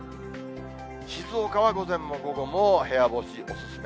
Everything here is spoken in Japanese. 静岡は午前も午後も部屋干しお勧め。